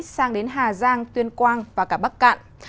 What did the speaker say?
sang đến hà giang tuyên quang và cả bắc cạn